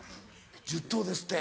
１０頭ですって。